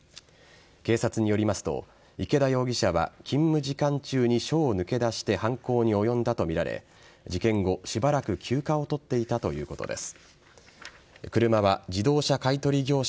警察によりますと、池田容疑者は勤務時間中に署を抜け出して犯行に及んだと見られ、事件後、しばらく休暇を取っていたということです。